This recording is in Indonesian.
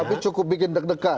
tapi cukup bikin deg degan